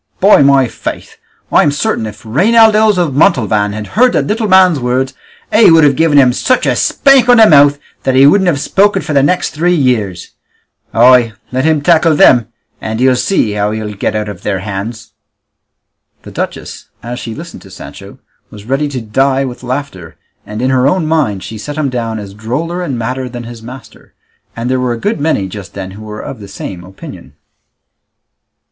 By my faith, I'm certain if Reinaldos of Montalvan had heard the little man's words he would have given him such a spank on the mouth that he wouldn't have spoken for the next three years; ay, let him tackle them, and he'll see how he'll get out of their hands!" The duchess, as she listened to Sancho, was ready to die with laughter, and in her own mind she set him down as droller and madder than his master; and there were a good many just then who were of the same opinion.